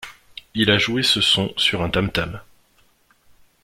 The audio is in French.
Il a joué ce son sur un tam-tam.